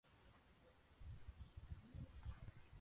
Imbwa y'umukara n'imbwa yera irwana